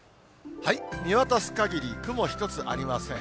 見渡すかぎり、雲一つありません。